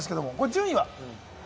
順位は？